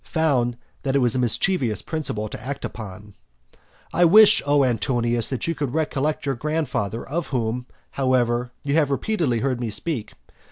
found that it was a mischievous principle to act upon. I wish, O Antonius, that you could recollect your grand father of whom, however, you have repeatedly heard me speak.